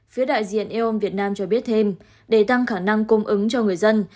phía đại diện eu việt nam cho biết thêm để tăng khả năng cung ứng cho người dân